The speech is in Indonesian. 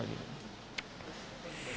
sebelumnya saya apa